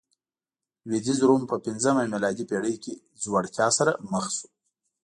لوېدیځ روم په پنځمه میلادي پېړۍ کې ځوړتیا سره مخ شو